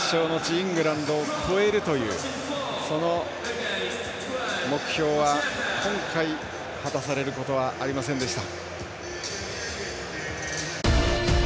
イングランドを超えるというその目標は今回、果たされることはありませんでした。